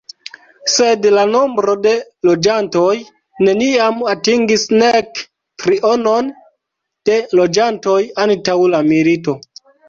Sed la nombro de loĝantoj neniam atingis nek trionon de loĝantoj antaŭ la milito.